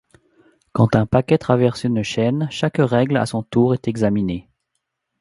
Quand un paquet traverse une chaîne, chaque règle, à son tour, est examinée.